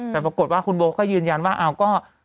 แต่ปรากฏว่าคุณโบก็ยืนยันว่าเอาก็